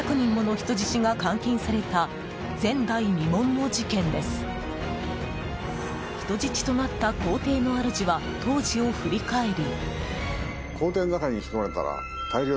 人質となった公邸の主は当時を振り返り。